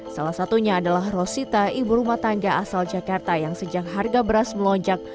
salah satunya adalah rosita ibu rumah tangga asal jakarta yang sejak harga beras melonjak